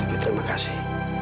tapi terima kasih